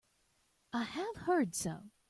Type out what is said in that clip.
I have heard so.